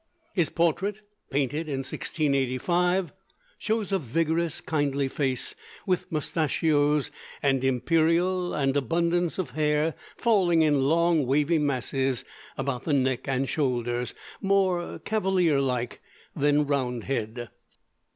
His portrait, painted in 1685, shows a vigorous, kindly face, with mustachios and imperial, and abundance of hair falling in long wavy masses about the neck and shoulders, more Cavalier like than Roundhead.